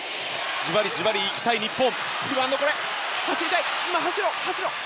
じわりじわり行きたい日本。